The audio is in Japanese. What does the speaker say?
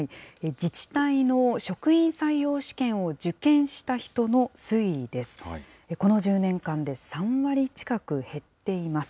自治体の職員採用試験を受験した人の推移です。